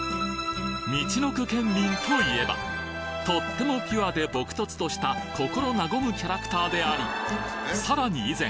みちのく県民といえばとってもピュアで朴訥とした心和むキャラクターでありさらに以前